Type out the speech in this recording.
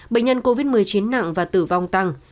bệnh nhân covid một mươi chín nặng và tử vong tăng